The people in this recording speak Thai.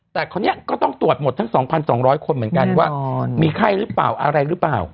แต่คนนี้ก็ต้องตรวจหมดทั้ง๒๒๐๐คนเหมือนกันว่ามีไข้หรือเปล่าอะไรหรือเปล่า